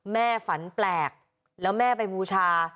ฝันแปลกแล้วแม่ไปบูชา